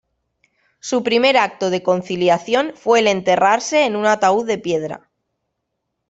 Su primer acto de conciliación fue el enterrarse en un ataúd de piedra.